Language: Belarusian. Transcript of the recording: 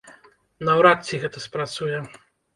Наўрад ці гэта спрацуе.